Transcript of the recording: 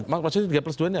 maksudnya tiga plus dua ini